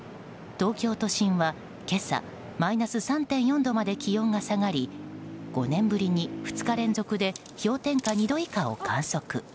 東京都心は今朝マイナス３．４度まで気温が下がり５年ぶりに２日連続で氷点下２度以下を観測。